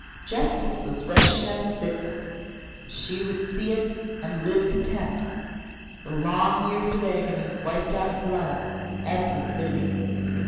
Justice was rushing on its victim. She would see it and live content, the long years of agony wiped out in blood, as was fitting.